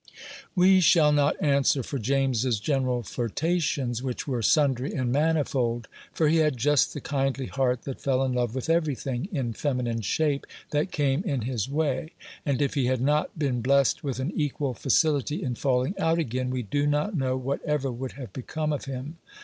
We shall not answer for James's general flirtations, which were sundry and manifold; for he had just the kindly heart that fell in love with every thing in feminine shape that came in his way, and if he had not been blessed with an equal facility in falling out again, we do not know what ever would have become of him.